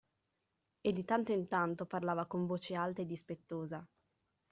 E di tanto in tanto parlava con voce alta e dispettosa.